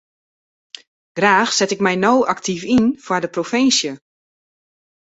Graach set ik my no aktyf yn foar de provinsje.